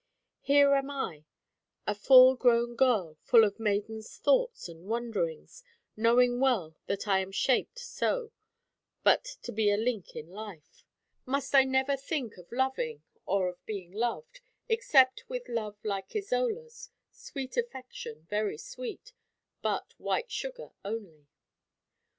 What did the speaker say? Here am I, a full grown girl, full of maiden's thoughts and wonderings, knowing well that I am shaped so but to be a link in life; must I never think of loving or of being loved, except with love like Isola's; sweet affection, very sweet; but white sugar only?